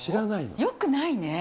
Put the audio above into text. よくないね。